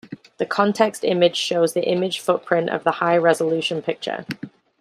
The context image shows the image footprint of the high resolution picture.